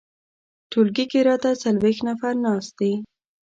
ټولګي کې راته څلویښت نفر ناست دي.